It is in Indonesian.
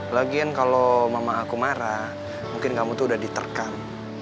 lagian kalau mama aku marah mungkin kamu tuh udah diterkam